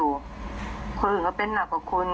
คนอื่นก็เป็นหนักกว่าคน